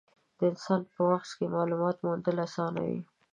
د انسان په مغز کې مالومات موندل اسانه وي.